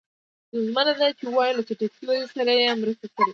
ستونزمنه ده چې ووایو له چټکې ودې سره یې مرسته کړې.